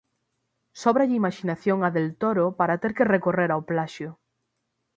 Sóbralle imaxinación a Del Toro para ter que recorrer ao plaxio.